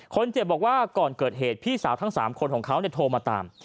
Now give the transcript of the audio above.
คนเจ็บบอกว่าก่อนเกิดเหตุพี่สาวทั้ง๓คนของเขาโทรมาตาม